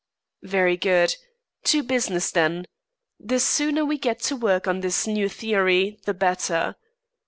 "Very good. To business, then. The sooner we get to work on this new theory, the better.